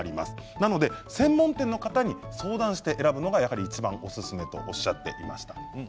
なので、専門店の方に相談して選ぶのがいちばんおすすめとおっしゃっていました。